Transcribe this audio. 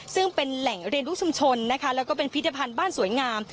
ซึ่งเป็นแหล่งเรียนรู้ชุมชนนะคะแล้วก็เป็นพิธภัณฑ์บ้านสวยงาม